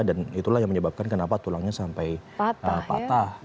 dan itulah yang menyebabkan kenapa tulangnya sampai patah